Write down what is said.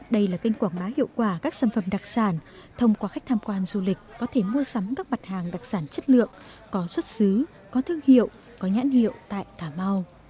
đây là kênh quảng bá hiệu quả các sản phẩm đặc sản thông qua khách tham quan du lịch có thể mua sắm các mặt hàng đặc sản chất lượng có xuất xứ có thương hiệu có nhãn hiệu tại cà mau